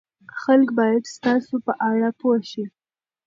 خلک باید ستاسو په اړه پوه شي.